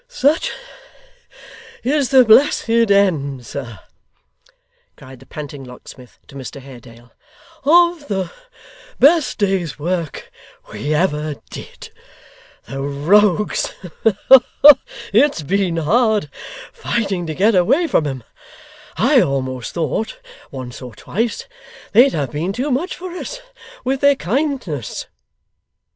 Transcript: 'Such is the blessed end, sir,' cried the panting locksmith, to Mr Haredale, 'of the best day's work we ever did. The rogues! it's been hard fighting to get away from 'em. I almost thought, once or twice, they'd have been too much for us with their kindness!